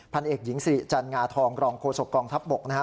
พันเอกหญิงสิริจันงาทองรองโฆษกองทัพบกนะฮะ